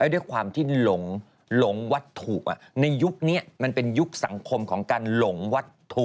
ด้วยความที่หลงวัตถุในยุคนี้มันเป็นยุคสังคมของการหลงวัตถุ